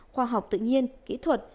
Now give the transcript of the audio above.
khoa học tự nhiên kỹ thuật